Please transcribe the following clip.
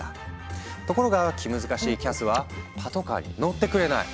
ところが気難しいキャスはパトカーに乗ってくれない。